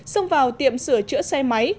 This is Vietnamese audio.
xông vào tiệm sửa chữa xe máy